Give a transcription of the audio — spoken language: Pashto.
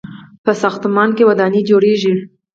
په ساختمان کې ودانۍ جوړیږي.